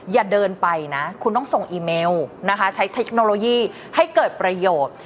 อย่าเดินไปนะคุณต้องส่งอีเมลนะคะใช้เทคโนโลยีให้เกิดประโยชน์